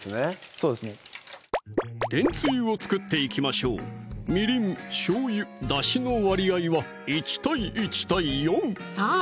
そうですね天つゆを作っていきましょうみりん・しょうゆ・だしの割合は１対１対４さぁ